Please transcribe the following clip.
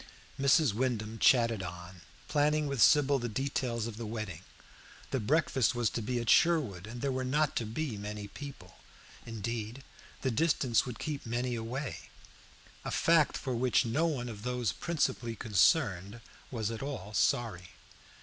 Mrs. Wyndham chatted on, planning with Sybil the details of the wedding. The breakfast was to be at Sherwood, and there were not to be many people. Indeed, the distance would keep many away, a fact for which no one of those principally concerned was at all sorry.